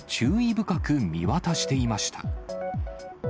深く見渡していました。